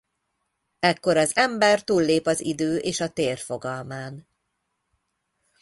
Ekkor az ember túllép az idő és a tér fogalmán.